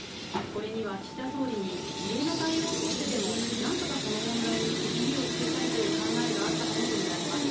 これには岸田総理に異例の対応を取ってでも、なんとかこの問題に区切りをつけたいという考えがあったものと見られます。